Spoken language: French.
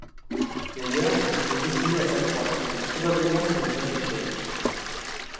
D’ailleurs, il est destiné à s’accroître, et probablement sur une vaste échelle.